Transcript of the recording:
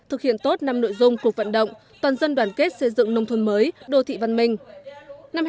thực hiện tốt năm nội dung cuộc vận động toàn dân đoàn kết xây dựng nông thôn mới đô thị văn minh